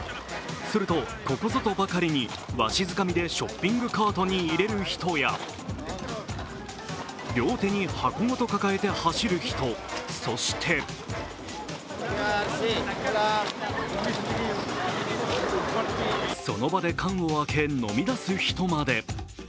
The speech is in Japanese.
すると、ここぞとばかりにわしづかみでショッピングカートに入れる人や、両手に箱ごと抱えて走る人、そしてその場で缶を開け飲み出す人まで。